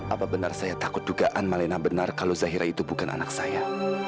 apa benar saya takut dugaan malena benar kalau zahira itu bukan anak saya